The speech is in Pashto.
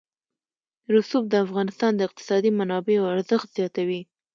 رسوب د افغانستان د اقتصادي منابعو ارزښت زیاتوي.